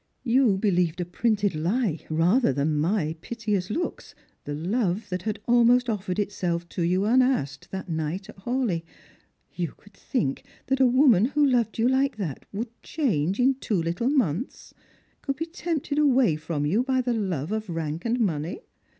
You believed a printed lie rather than my piteous looks — the love that had almost offered itself to you unasked that night at Hawleigh. You could think that a woman who loved you like that would change in two little months — could be tempted away from you by the love cf rank and money.